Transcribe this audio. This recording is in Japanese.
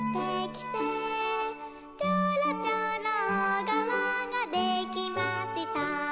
「ちょろちょろおがわができました」